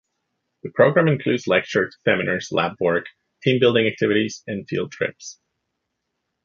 The program includes lectures, seminars, lab work, team-building activities and field trips.